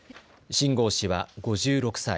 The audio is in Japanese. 秦剛氏は５６歳。